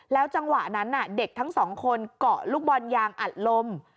จังหวะนั้นเด็กทั้งสองคนเกาะลูกบอลยางอัดลม